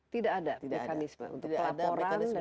tidak ada mekanisme untuk pelaporan